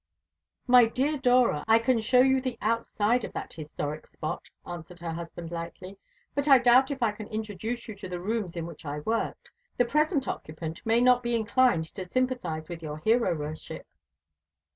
"My dear Dora, I can show you the outside of that historic spot," answered her husband lightly; "but I doubt if I can introduce you to the rooms in which I worked. The present occupant may not be inclined to sympathise with your hero worship.".